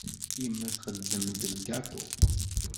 Yemma txeddem-d lgaṭu.